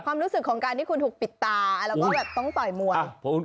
ความรู้สึกของการที่คุณถูกปิดตาแล้วก็แบบต้องต่อยมวย